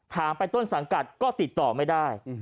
ถามไปต้นสังกัดก็ติดต่อไม่ได้